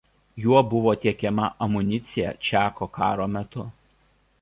Juo buvo tiekiama amunicija Čiako karo metu.